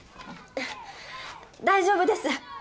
大丈夫です！